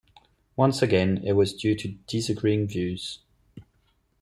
Once again it was due to disagreeing views.